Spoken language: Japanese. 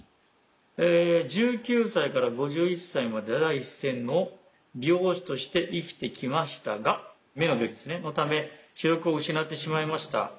「１９歳から５１歳まで第一線の美容師として生きてきましたが目の病気のため視力を失ってしまいました。